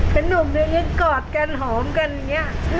เป็นนุ่มแล้วก็ยังกอดกันหอมกันอย่างนี้